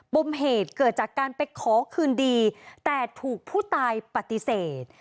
มเหตุเกิดจากการไปขอคืนดีแต่ถูกผู้ตายปฏิเสธ